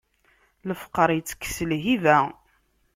Lefqeṛ itekkes lhiba.